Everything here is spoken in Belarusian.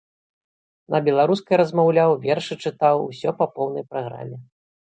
На беларускай размаўляў, вершы чытаў, усё па поўнай праграме.